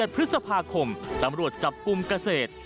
๑พฤษภาคมตำรวจจับกลุ่มเกษตร